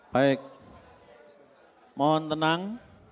baik mohon tenang